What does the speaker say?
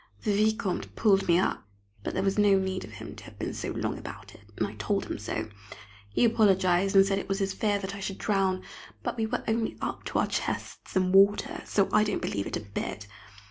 The Vicomte pulled me up, but there was no need of him to have been so long about it, and I told him so. He apologised, and said it was his fear that I should drown, but we were only up to our chests in water, so I don't believe it a bit.